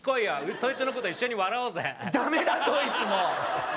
そいつのこと一緒に笑おうぜダメだこいつもう！